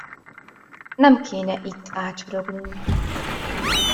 Nem kéne itt ácsorognunk.